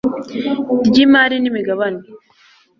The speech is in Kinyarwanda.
ry Imari n Imigabane